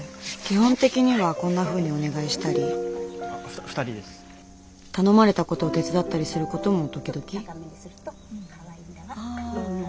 基本的にはこんなふうにお願いしたり頼まれたことを手伝ったりすることも時々？